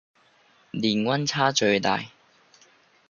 年溫差最大